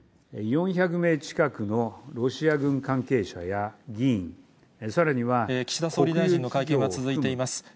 ４００名近くのロシア軍関係者や議員、岸田総理大臣の会見が続いています。